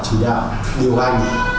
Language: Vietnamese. chỉ đạo điều hành